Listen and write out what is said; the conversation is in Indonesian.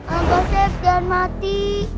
abang seth jangan mati